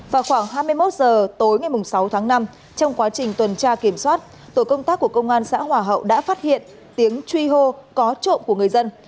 vào khoảng hai mươi một h tối ngày sáu tháng năm trong quá trình tuần tra kiểm soát tổ công tác của công an xã hòa hậu đã phát hiện tiếng truy hô có trộm của người dân